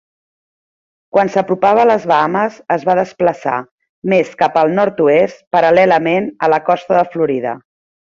Quan s'apropava a les Bahames, es va desplaçar més cap al nord-oest, paral·lelament a la costa de Florida.